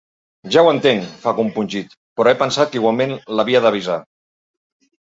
Ja ho entenc —fa, compungit—, però he pensat que igualment l'havia d'avisar.